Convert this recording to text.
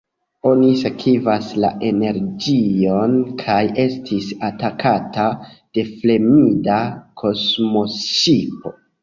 Oni sekvas la energion kaj estis atakata de fremda kosmoŝipo.